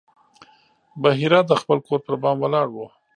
بحیرا د خپل کور پر بام ولاړ و.